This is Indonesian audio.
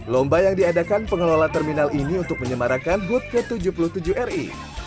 lomba yang diadakan pengelola terminal ini untuk menyemarakan hud ke tujuh puluh tujuh ri